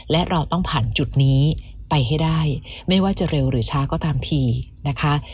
และเราต้องผ่านจุดนี้ไปให้ได้ไม่ว่าจะเร็วหรือช้าก็ตามทีนะคะ